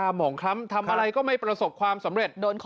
หมองคล้ำทำอะไรก็ไม่ประสบความสำเร็จ